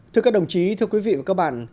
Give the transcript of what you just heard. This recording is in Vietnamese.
thưa các đồng chí thưa quý vị và các bạn